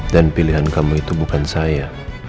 dan pilihan kamu itu bukan saya